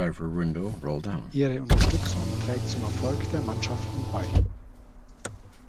Ihre Unterstützung trägt zum Erfolg der Mannschaften bei.